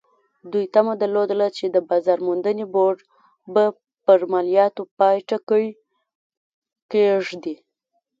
دوی تمه درلوده چې د بازار موندنې بورډ به پر مالیاتو پای ټکی کېږدي.